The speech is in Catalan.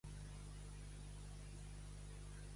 El rovell rosega el ferro, com la tristor del vell el seu cor.